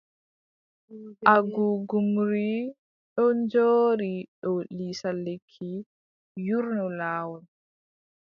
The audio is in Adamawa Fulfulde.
Agugumri ɗon jooɗi dow lisal lekki yuurno laawol.